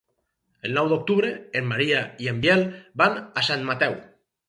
El nou d'octubre en Maria i en Biel van a Sant Mateu.